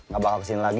gak bakal kesini lagi